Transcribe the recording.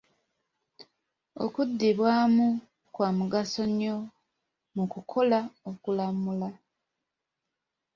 Okuddibwamu kwa mugaso nnyo mu kukola okulamula.